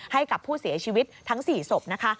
ให้กับผู้เสียชีวิตทั้ง๔ศพนะคะ